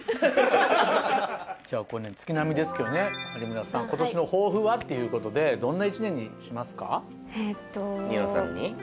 月並みですけど有村さん今年の抱負は？ということでどんな一年にしますか？